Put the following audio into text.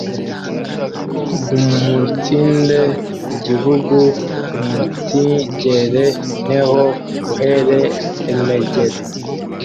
Guumunsinde Igihugu umunsigere n’eho uhere emegere